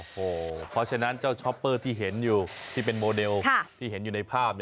เพราะฉะนั้นเจ้าช็อปเปอร์ที่เห็นอยู่ที่เป็นโมเดลที่เห็นอยู่ในภาพ